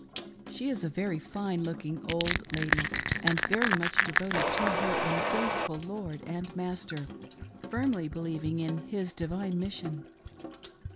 She is a very fine looking old lady and very much devoted to her unfaithful lord and master, firmly believing in his divine mission.